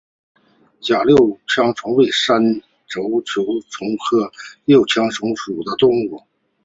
栗六枪虫为三轴球虫科六枪虫属的动物。